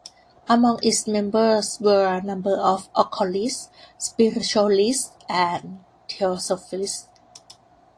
Among its members were a number of occultists, spiritualists, and Theosophists.